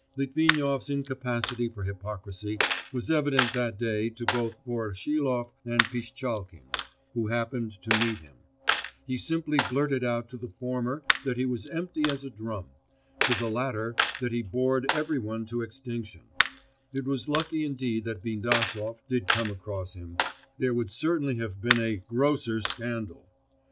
Litvinov's incapacity for hypocrisy was evident that day to both Voroshilov and Pishtchalkin, who happened to meet him; he simply blurted out to the former that he was empty as a drum; to the latter that he bored every one to extinction; it was lucky indeed that Bindasov did come across him; there would certainly have been a 'grosser Scandal.